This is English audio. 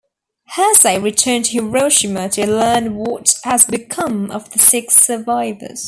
Hersey returned to Hiroshima to learn what has become of the six survivors.